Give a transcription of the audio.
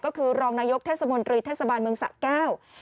ก็คือรองนายกเทศมนตรีเทศบาลเมืองสะแก้ว